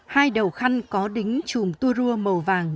hai đầu khăn có đính chùm tua rua màu vàng